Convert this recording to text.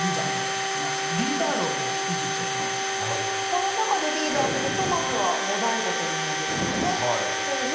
この中でリーダーというとまずは後醍醐天皇ですよね。